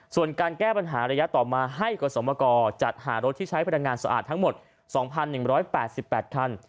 ส่วนการแก้ปัญหาระยะต่อมาให้กสมกรจัดหารถที่ใช้พลังงานสะอาดทั้งหมด๒๑๘๘คัน